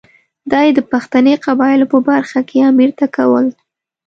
دا یې د پښتني قبایلو په برخه کې امیر ته کول.